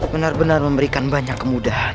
benar benar memberikan banyak kemudahan